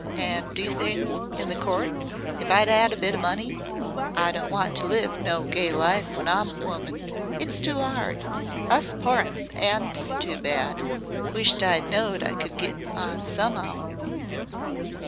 "An' do things in the court if I 'ad a bit o' money. I don't want to live no gay life when I 'm a woman. It's too 'ard. Us pore uns ends too bad. Wisht I knowed I could get on some 'ow."